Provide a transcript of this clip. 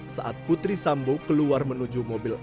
saat putri sambu keluar menuju mobilnya